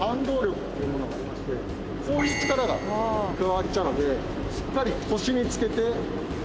こういう力が加わっちゃうのでしっかり腰につけて。